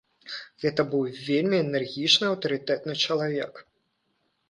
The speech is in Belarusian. Гэта быў вельмі энергічны, аўтарытэтны чалавек.